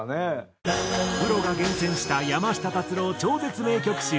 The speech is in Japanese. プロが厳選した山下達郎超絶名曲集。